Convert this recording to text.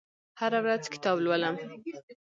هره ورځ کتاب لولم